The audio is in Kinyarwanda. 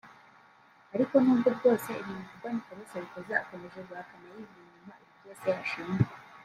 Ariko n’ubwo bwose ibi bivugwa Nicolas Sarkozy akomeje guhakana yivuye inyuma ibi byose ashinjwa